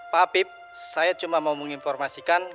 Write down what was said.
pak habib saya cuma mau menginformasikan